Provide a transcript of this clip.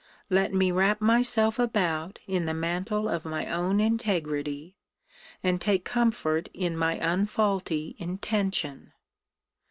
Let me wrap myself about in the mantle of my own integrity, and take comfort in my unfaulty intention!